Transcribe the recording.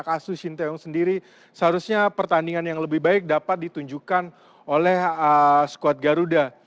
dan juga pelatih kepala shinteong sendiri seharusnya pertandingan yang lebih baik dapat ditunjukkan oleh skuad garuda